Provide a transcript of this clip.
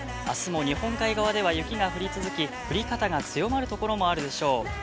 あすも日本海側では雪が降り続き、振り方が強まるところもあるでしょう。